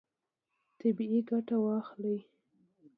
طبیعي ګټه واخلئ.